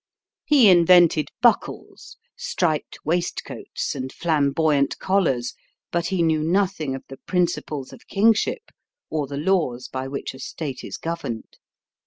He invented buckles, striped waistcoats, and flamboyant collars, but he knew nothing of the principles of kingship or the laws by which a state is governed.